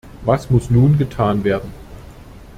Was muss nun getan werden?